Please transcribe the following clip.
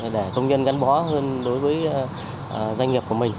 để công nhân gắn bó hơn đối với doanh nghiệp của mình